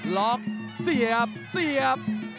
ล็อกเสียบเสียบ